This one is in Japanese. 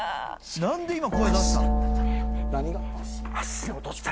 何で今声出した？